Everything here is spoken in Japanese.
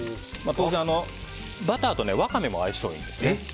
バターとワカメも相性いいんです。